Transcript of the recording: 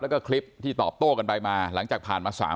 แล้วก็คลิปที่ตอบโต้กันไปมาหลังจากผ่านมา